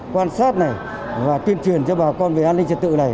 quan sát này và tuyên truyền cho bà con về an ninh trật tự này